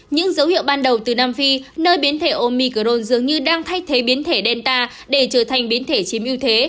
những dấu hiệu ban đầu từ nam phi nơi biến thể omicron dường như đang thay thế biến thể delta để trở thành biến thể chiếm ưu thế